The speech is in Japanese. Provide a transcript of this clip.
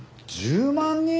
１０万人！？